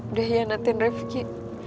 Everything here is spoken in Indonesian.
udah hianatin rifki